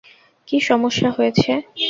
কি সমস্যা হয়েছে?